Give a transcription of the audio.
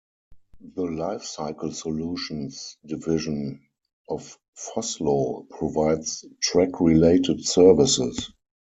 The Lifecycle Solutions division of Vossloh provides track related services.